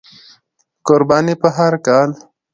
قرباني په هر کال،